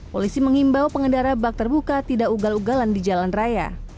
polisi mengimbau pengendara bak terbuka tidak ugal ugalan di jalan raya